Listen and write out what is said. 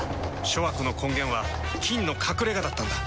諸悪の根源は「菌の隠れ家」だったんだ。